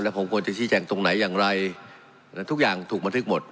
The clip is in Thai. ผมควรจะชี้แจงตรงไหนอย่างไรทุกอย่างถูกบันทึกหมด